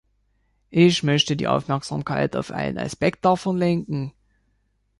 Ich möchte die Aufmerksamkeit auf einen Aspekt davon lenken.